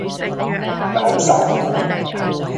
九十